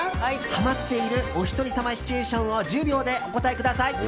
はまっているおひとりさまシチュエーションを１０秒でお答えください。